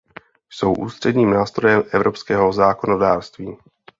Jsou ústředním nástrojem evropského zákonodárství.